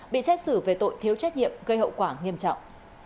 bị xét xử về tội thiếu trách nhiệm gây hậu quả nghiêm trọng